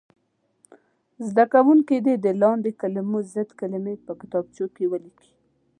زده کوونکي دې د لاندې کلمو ضد کلمې په کتابچو کې ولیکي.